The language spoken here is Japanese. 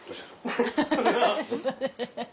アハハハ。